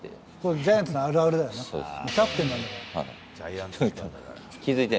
ジャイアンツのあるあるだよな。